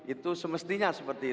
itu semestinya seperti ini